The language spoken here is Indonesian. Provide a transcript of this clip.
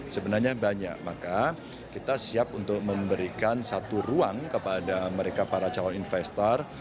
sebenarnya banyak maka kita siap untuk memberikan satu ruang kepada mereka para calon investor